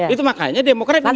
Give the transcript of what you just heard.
itu makanya demokrasi ini berbeda